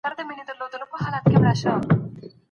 موږ تر اوسه ډېري مڼې نه دي راوړي.